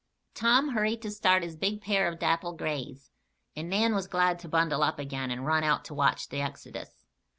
Tom hurried to start his big pair of dapple grays, and Nan was glad to bundle up again and run out to watch the exodus.